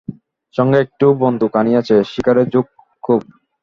সঙ্গে একটি বন্দুক আনিয়াছে, শিকারের ঝোঁক খুব।